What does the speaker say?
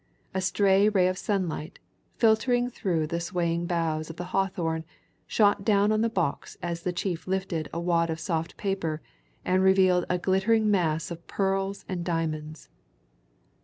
A stray ray of sunlight, filtering through the swaying boughs of the hawthorn, shot down on the box as the chief lifted a wad of soft paper and revealed a glittering mass of pearls and diamonds.